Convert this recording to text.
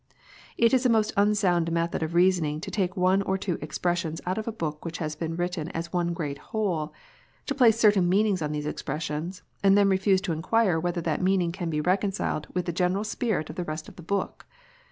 It is a most unsound method of reasoning to take one < two ( expressions out of a book which has been written as one great whole, to place a certain meaning on these expressions, and then refuse to inquire whether that meaning can be reconcile, with the general spirit of the rest of the book.